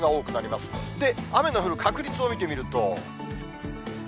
で、雨の降る確率を見てみると。